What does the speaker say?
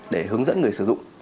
để hướng dẫn người sử dụng